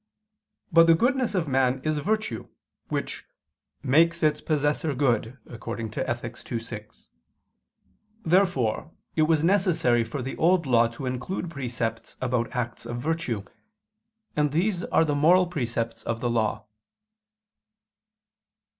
But the goodness of man is virtue, which "makes its possessor good" (Ethic. ii, 6). Therefore it was necessary for the Old Law to include precepts about acts of virtue: and these are the moral precepts of the Law.